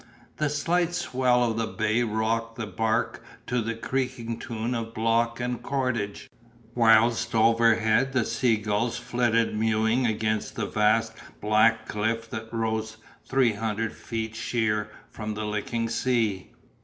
The slight swell of the bay rocked the barque to the creaking tune of block and cordage, whilst overhead the sea gulls flitted mewing against the vast black cliff that rose three hundred feet sheer from the licking sea.